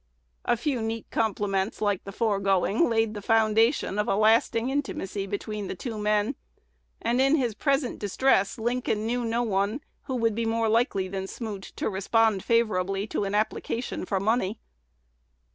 A few neat compliments like the foregoing laid the foundation of a lasting intimacy between the two men, and in his present distress Lincoln knew no one who would be more likely than Smoot to respond favorably to an application for money.